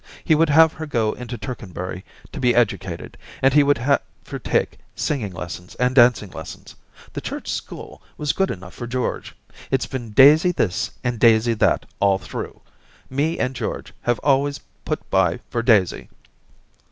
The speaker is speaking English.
He would have her go into Tercanbury to be educated, and he would have her take singing lessons and dancing lessons. The Church school was good enough for George. It's been Daisy this and Daisy that all through. Me and George have been always put by for Daisy.